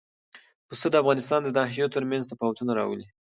پسه د افغانستان د ناحیو ترمنځ تفاوتونه راولي.